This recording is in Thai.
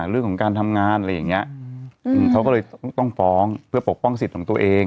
เรื่องของการทำงานอะไรอย่างนี้เขาก็เลยต้องฟ้องเพื่อปกป้องสิทธิ์ของตัวเอง